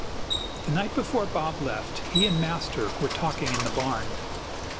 The night before Bob left, he and Master were talking in the barn.